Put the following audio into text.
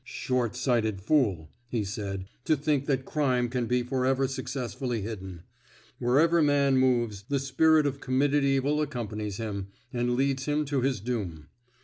"Short sighted fool," he said, "to think that crime can be for ever successfully hidden. Wherever man moves, the spirit of committed evil accompanies him, and leads him to his doom.